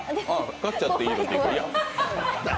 勝っちゃっていいの？